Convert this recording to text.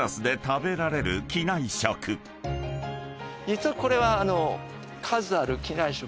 実はこれは。